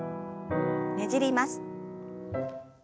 ねじります。